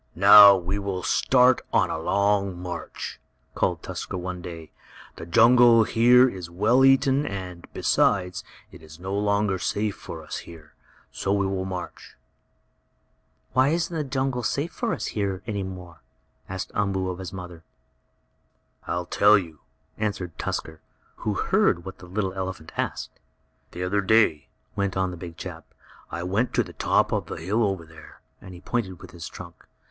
"Now we will start on a long march!" called Tusker one day. "The jungle here is well eaten, and, besides, it is no longer safe for us here. So we will march." "Why isn't the jungle safe here any more?" asked Umboo of his mother. "I'll tell you," answered Tusker, who heard what the little elephant asked. "The other day," went on the big chap, "I went to the top of the hill over there," and he pointed with his trunk.